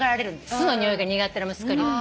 酢のにおいが苦手な息子には。